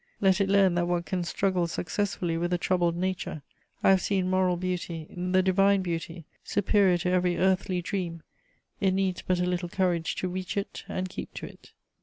Let it learn that one can struggle successfully with a troubled nature; I have seen moral beauty, the divine beauty, superior to every earthly dream: it needs but a little courage to reach it and keep to it.